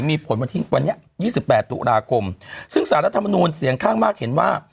มีผลวันที่วันนี้๒๘ตุลาคมซึ่งสารรัฐมนูลเสียงข้างมากเห็นว่า